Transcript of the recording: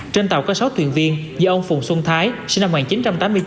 trên tàu có sáu thuyền viên do ông phùng xuân thái sinh năm một nghìn chín trăm tám mươi chín